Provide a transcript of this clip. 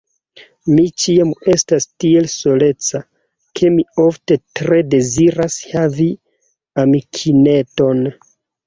Mi ĉiam estas tiel soleca, ke mi ofte tre deziras havi amikineton.